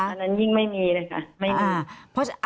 อันนั้นยิ่งไม่มีเลยค่ะ